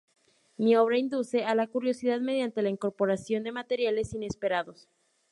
Mi obra induce a la curiosidad mediante la incorporación de materiales inesperados.